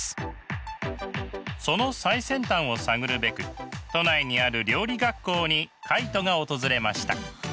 その最先端を探るべく都内にある料理学校にカイトが訪れました。